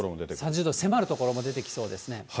３０度にせまる所も出てきそうですね。